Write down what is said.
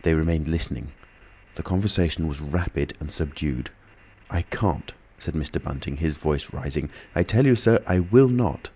They remained listening. The conversation was rapid and subdued. "I can't," said Mr. Bunting, his voice rising; "I tell you, sir, I will not."